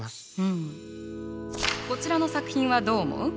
こちらの作品はどう思う？